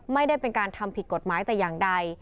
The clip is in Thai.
ไม่ได้เป็นการทำผิดกฎหมายแต่อย่างใด